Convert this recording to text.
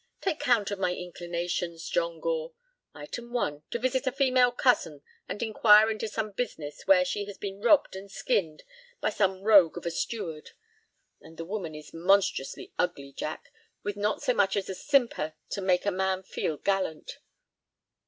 Take count of my inflictions, John Gore: Item one, to visit a female cousin and inquire into some business where she has been robbed and skinned by some rogue of a steward; and the woman is monstrously ugly, Jack, with not so much as a simper to make a man feel gallant.